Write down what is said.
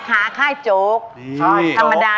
สวัสดีครับผมชื่อพอร์สครับ